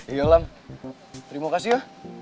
iya lam terima kasih ya